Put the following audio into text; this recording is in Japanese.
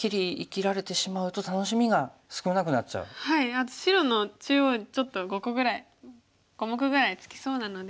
あと白の中央ちょっと５個ぐらい５目ぐらいつきそうなので。